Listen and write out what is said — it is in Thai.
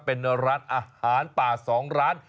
เป็นร้านอาหารป่า๒ร้าน